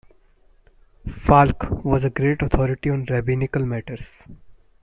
Falk was a great authority on rabbinical matters.